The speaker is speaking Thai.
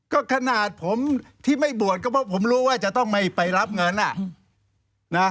ก็ขนาดผมที่ไม่บวชก็เพราะผมรู้ว่าจะต้องไม่ไปรับเงิน